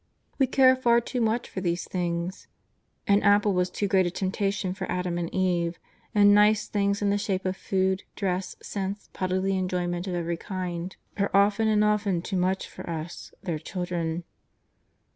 We care far too much for these things. An apple was too great a temptation for Adam and Eve, and nice things in the shape of food, dress, scents, bodily enjoyment of every kind, are often and often too much for us, their children.